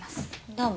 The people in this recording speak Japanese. どうも。